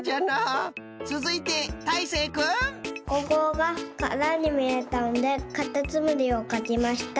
つづいて大誠くん。ここがからにみえたんでかたつむりをかきました。